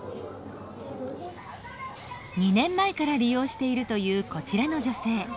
２年前から利用しているというこちらの女性。